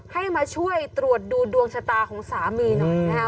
ให้มาช่วยตรวจดูดวงชะตาของสามีหน่อยนะครับ